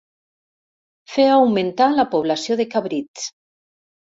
Fer augmentar la població de cabrits.